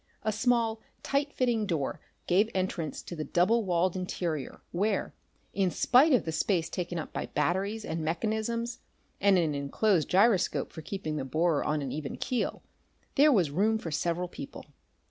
A small, tight fitting door gave entrance to the double walled interior, where, in spite of the space taken up by batteries and mechanisms and an enclosed gyroscope for keeping the borer on an even keel, there was room for several people.